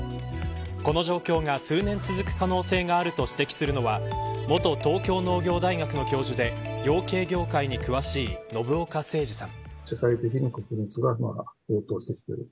この状況が数年続く可能性があると指摘するのは元東京農業大学の教授で養鶏業界に詳しい信岡誠治さん。